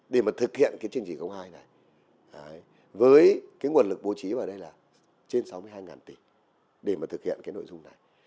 để thực hiện chương trình hai này với nguồn lực bố trí trên sáu mươi hai tỷ để thực hiện nội dung này